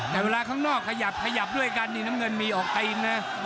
แต่เวลาข้างนอกขยับด้วยกันน้ำเงินมีออกกะอิ่มนะ